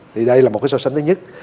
thì đây là một cái so sánh thứ nhất